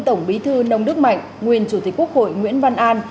tổng bí thư nông đức mạnh nguyên chủ tịch quốc hội nguyễn văn an